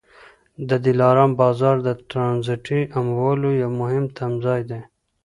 د دلارام بازار د ټرانزیټي اموالو یو مهم تمځای دی.